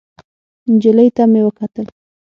نجلۍ ته مې وکتل.